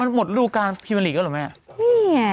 มันหมดรูปการภีมรีก็เหรอแม่นี่